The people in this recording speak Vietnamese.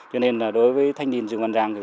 cho nên là đối với thanh niên dương văn giang